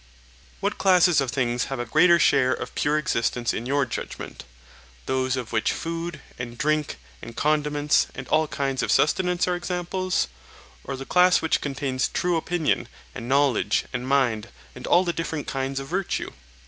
What classes of things have a greater share of pure existence in your judgment—those of which food and drink and condiments and all kinds of sustenance are examples, or the class which contains true opinion and knowledge and mind and all the different kinds of virtue?